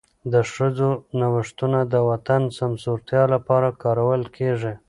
د ښځو نوښتونه د وطن د سمسورتیا لپاره کارول کېږي.